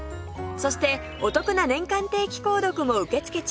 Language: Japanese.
そしてお得な年間定期購読も受け付け中